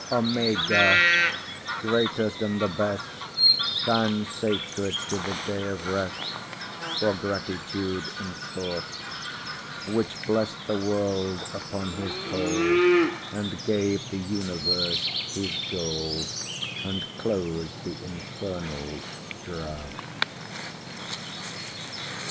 Omega! greatest and the best, Stands sacred to the day of rest, For gratitude and thought; Which blessed the world upon his pole, And gave the universe his goal, And closed the infernal draught.